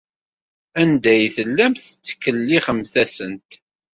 Anda ay tellamt tettkellixemt-asent?